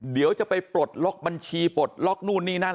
เดี๋ยวจะไปปลดล็อกบัญชีปลดล็อกนู่นนี่นั่น